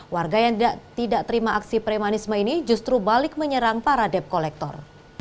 warga yang tidak terima aksi premanisme ini justru balik menyerang para debt collector